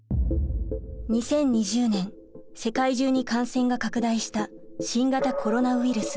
２０２０年世界中に感染が拡大した新型コロナウイルス。